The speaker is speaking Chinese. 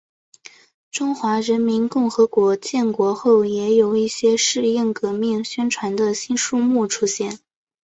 中华人民共和国建国后也有一些适应革命宣传的新书目出现。